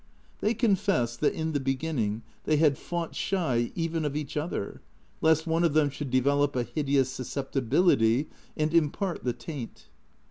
They confessed that, in the beginning, they had fought shy even of each other, lest one of them should develop a hideous suscep tibility and impart the taint.